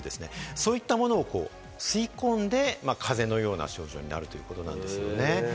そういったものを吸い込んで風邪のような症状が出るということなんです。